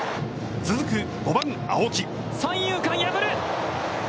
続く５番青木。